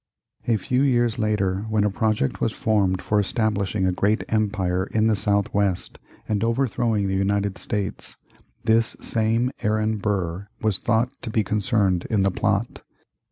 A few years later, when a project was formed for establishing a great empire in the southwest and overthrowing the United States, this same Aaron Burr was thought to be concerned in the plot.